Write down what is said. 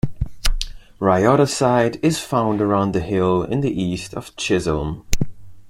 Rhyodacite is found around the hill in the east of Chisholm.